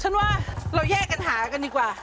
ว่าเราแยกกันหากันดีกว่า